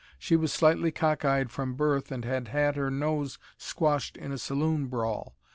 She was slightly cockeyed from birth and had had her nose squashed in a saloon brawl.